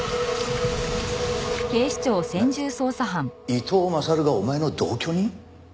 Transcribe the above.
えっ伊藤優がお前の同居人？